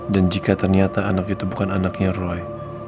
dan jika ternyata anak itu bukan anaknya roy